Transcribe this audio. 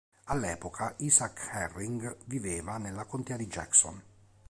All'epoca Isaac Herring viveva nella contea di Jackson.